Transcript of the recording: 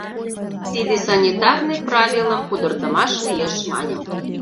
Тиде санитарный правилым пудыртымаш лиеш! — маньым.